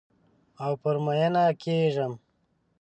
او پر میینه کیږم